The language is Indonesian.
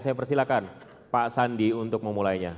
saya persilahkan pak sandi untuk memulainya